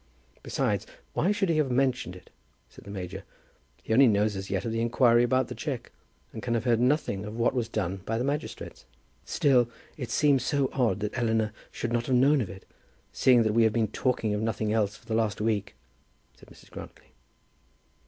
"Besides, why should he have mentioned it?" said the major. "He only knows as yet of the inquiry about the cheque, and can have heard nothing of what was done by the magistrates." "Still it seems so odd that Eleanor should not have known of it, seeing that we have been talking of nothing else for the last week," said Mrs. Grantly.